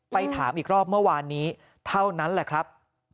ถามอีกรอบเมื่อวานนี้เท่านั้นแหละครับ